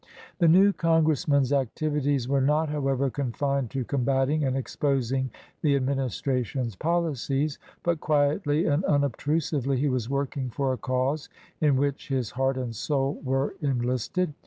The new congressman's activities were not, however, confined to combating and exposing the administration's policies, but quietly and unobtrusively he was working for a cause in which his heart and soul were enlisted.